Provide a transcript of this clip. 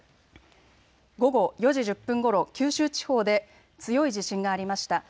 午後４時１０分ごろ、九州地方で強い地震がありました。